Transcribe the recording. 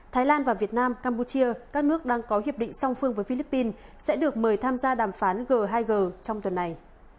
thái lan và việt nam campuchia các nước đang có hiệp định song phương với philippines sẽ được mời tham gia đàm phán g hai g trong tuần này